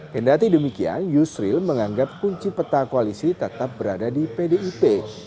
hendati demikian yusril menganggap kunci peta koalisi tetap berada di pdip